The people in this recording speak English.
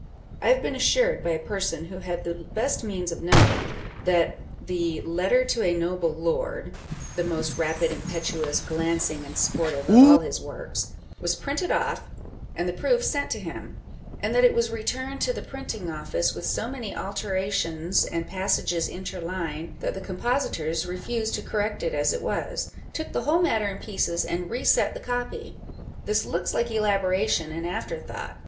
I have been assured by a person who had the best means of knowing, that the Letter to a Noble Lord (the most rapid, impetuous, glancing, and sportive of all his works) was printed off, and the proof sent to him : and that it was returned to the printing office with so many alterations and passages interlined, that the compositors refused to correct it as it was â€" took the whole matter in pieces, and re set the copy. This looks like elaboration and after thought.